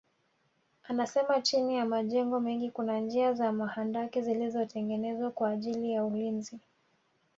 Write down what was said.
Anasema chini ya majengo mengi kuna njia za mahandaki zilizotengenezwa kwa ajili ya ulinzi